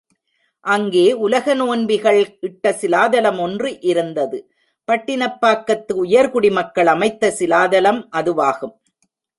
அங்கே உலக நோன்பிகள் இட்ட சிலாதலம் ஒன்று இருந்தது பட்டினப்பாக்கத்து உயர்குடி மக்கள் அமைத்த சிலாதலம் அதுவாகும்.